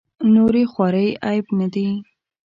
نورې خوارۍ عیب نه دي.